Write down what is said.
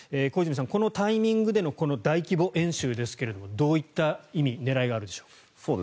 小泉さん、このタイミングでのこの大規模演習ですがどういった意味、狙いがあるんでしょう。